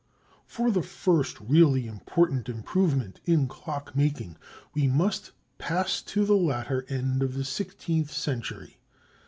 For the first really important improvement in clock making we must pass to the latter end of the sixteenth century.